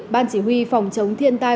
ban chỉ huy phòng chống thiên tai